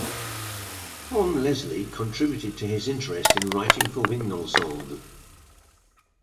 Tom Leslie contributed to his interest in writing for wind ensembles.